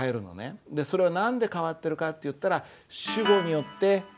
それは何で変わってるかっていったらへえ。